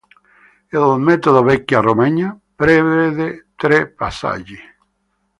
Il “Metodo Vecchia Romagna” prevede tre passaggi.